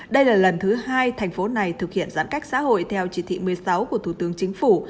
đây là lần thứ hai thành phố này thực hiện giãn cách xã hội theo chỉ thị một mươi sáu của thủ tướng chính phủ